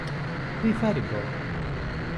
Who You Fighting For?